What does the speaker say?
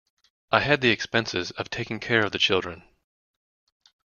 I had the expenses of taking care of the children.